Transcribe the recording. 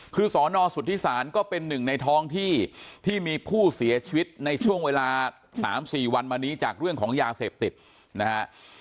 คือสอนอสุทธิศาลก็เป็นหนึ่งในท้องที่ที่มีผู้เสียชีวิตในช่วงเวลา๓๔วันมานี้จากเรื่องของยาเสพติดนะฮะ